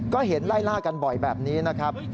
ก็เห็นไล่ล่ากันบ่อยแบบนี้นะครับ